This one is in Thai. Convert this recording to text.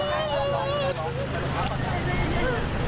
มันทำไม